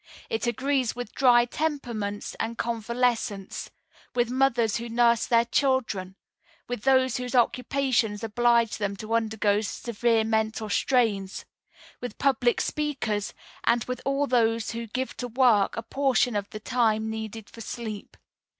It agrees with dry temperaments and convalescents; with mothers who nurse their children; with those whose occupations oblige them to undergo severe mental strains; with public speakers, and with all those who give to work a portion of the time needed for sleep.